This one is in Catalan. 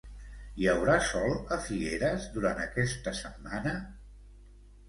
Hi haurà sol a Figueres durant aquesta setmana?